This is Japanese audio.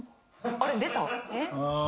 あれっ？出た？